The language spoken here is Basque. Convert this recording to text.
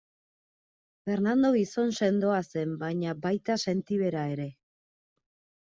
Fernando gizon sendoa zen baina baita sentibera ere.